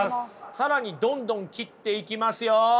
更にどんどん切っていきますよ。